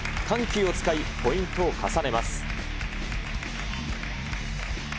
緩急を使い、ポイントを重ねます。